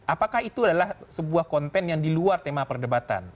apakah itu adalah sebuah konten yang diluar tema perdebatan